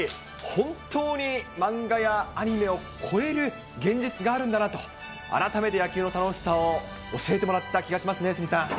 本当に漫画やアニメを超える現実があるんだなと、改めて野球の楽しさを教えてもらった気がしますね、鷲見さん。